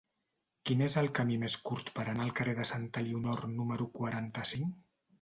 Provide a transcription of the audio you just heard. Quin és el camí més curt per anar al carrer de Santa Elionor número quaranta-cinc?